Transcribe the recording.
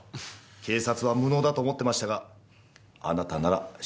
警察は無能だと思ってましたがあなたなら信頼できそうですね。